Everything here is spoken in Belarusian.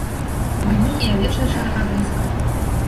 Ды вунь і авечая чарга блізка.